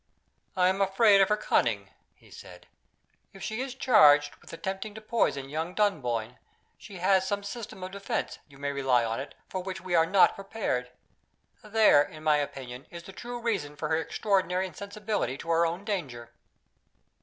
"I am afraid of her cunning," he said. "If she is charged with attempting to poison young Dunboyne, she has some system of defense, you may rely on it, for which we are not prepared. There, in my opinion, is the true reason for her extraordinary insensibility to her own danger."